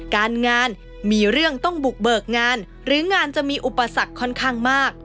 การงานมีเรื่องต้องบุกเบิกงานหรืองานจะมีอุปสรรคค่อนข้างมาก